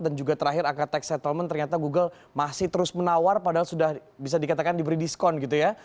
dan juga terakhir angka tax settlement ternyata google masih terus menawar padahal sudah bisa dikatakan diberi diskon gitu ya